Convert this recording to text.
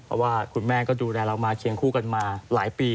เพราะว่าคุณแม่ก็ดูแลเรามาเคียงคู่กันมาหลายปี